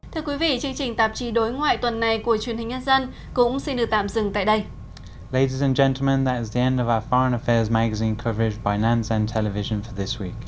thưa quý vị chương trình tạp chí đối ngoại tuần này của truyền hình nhân dân cũng xin được tạm dừng tại đây